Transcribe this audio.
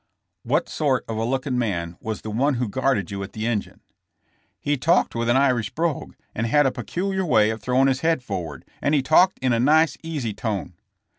"What sort of a looking man was the one who guarded you at the engine?" "He talked with an Irish brogue and had a pecu liar way of throwing his head forward, and he talked in a nice, easy tone."